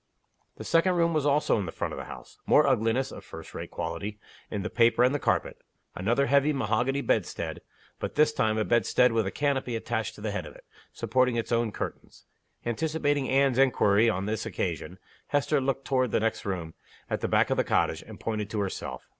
The second room was also in front of the house. More ugliness (of first rate quality) in the paper and the carpet. Another heavy mahogany bedstead; but, this time, a bedstead with a canopy attached to the head of it supporting its own curtains. Anticipating Anne's inquiry, on this occasion, Hester looked toward the next room, at the back of the cottage, and pointed to herself.